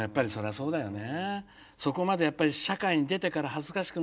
そうだよね。